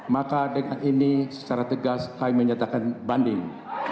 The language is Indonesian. maka dengan ini secara tegas kami menyatakan banding